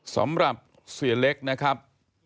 สำหรับเสียเล็กนะครับ